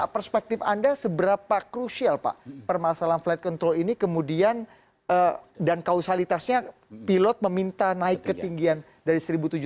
perspektif anda seberapa crucial pak permasalahan flight control ini kemudian dan kausalitasnya pilot meminta naik ke ketinggian dari seribu tujuh ratus ke lima ribu pak agus